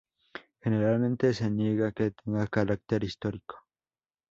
Generalmente se niega que tenga carácter histórico.